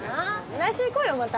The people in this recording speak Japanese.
来週行こうよまた。